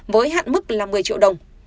với hạn mức là một mươi triệu đồng